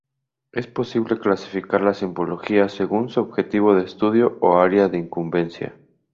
Es posible clasificar la simbología según su objeto de estudio o área de incumbencia.